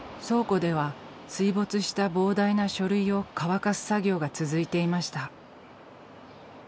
倉庫では水没した膨大な書類を乾かす作業が続いていました。